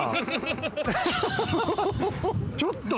ちょっと！